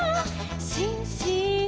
「しんしん」「」